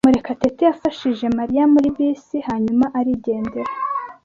Murekatete yafashije Mariya muri bisi, hanyuma arigendera.